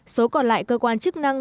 số còn lại cơ quan chức năng